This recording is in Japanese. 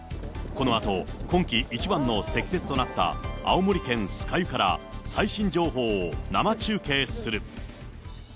このあと今季一番の積雪となった、青森県酸ヶ湯から、最新情報を生中継する。